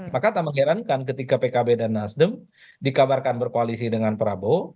maka tak mengherankan ketika pkb dan nasdem dikabarkan berkoalisi dengan prabowo